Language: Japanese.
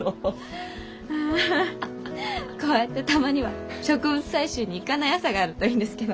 あこうやってたまには植物採集に行かない朝があるといいんですけど。